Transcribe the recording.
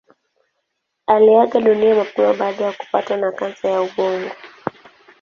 Aliaga dunia mapema baada ya kupatwa na kansa ya ubongo.